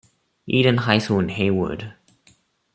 Eden High School in Hayward.